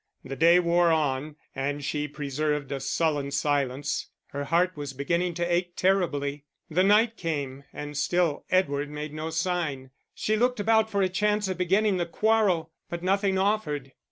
The day wore on and she preserved a sullen silence; her heart was beginning to ache terribly the night came, and still Edward made no sign; she looked about for a chance of beginning the quarrel, but nothing offered.